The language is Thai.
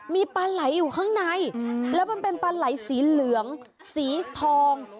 มีปลาไหลอยู่ข้างในแล้วมันเป็นปลาไหลสีเหลืองสีทอง